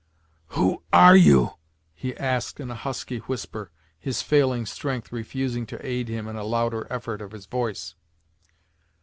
"Who are you?" he asked in a husky whisper, his failing strength refusing to aid him in a louder effort of his voice.